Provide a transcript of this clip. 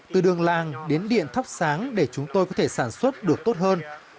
từ đường làng đến điện thắp sáng để chúng tôi có thể sản xuất được tốt hơn